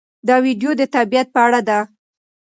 دا ویډیو د طبیعت په اړه ده.